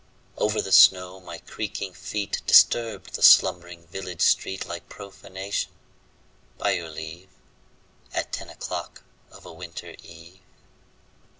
Over the snow my creaking feet Disturbed the slumbering village street Like profanation, by your leave, At ten o'clock of a winter eve.